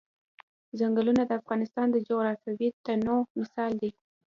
ځنګلونه د افغانستان د جغرافیوي تنوع مثال دی.